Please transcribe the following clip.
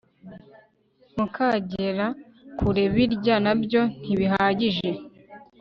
mukagera kure birya nabyo ntibihagije